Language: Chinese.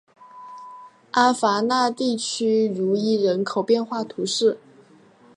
阿戈讷地区茹伊人口变化图示